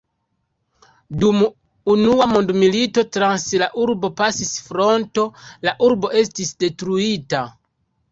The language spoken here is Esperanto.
Dum Unua mondmilito trans la urbo pasis fronto, la urbo estis detruita.